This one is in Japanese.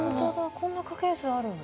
こんな家系図あるの？